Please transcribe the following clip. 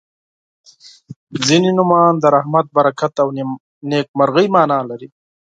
• ځینې نومونه د رحمت، برکت او نیکمرغۍ معنا لري.